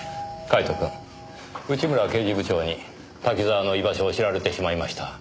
カイトくん内村刑事部長に滝沢の居場所を知られてしまいました。